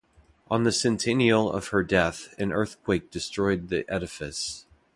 On the centennial of her death an earthquake destroyed the edifice.